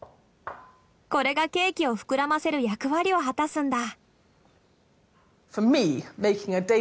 これがケーキを膨らませる役割を果たすんだ。